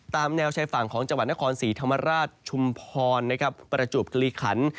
ตามแนวชายฝั่งของจังหวัดนครศรีธรรมราชชุมพรประจวบกลีขัน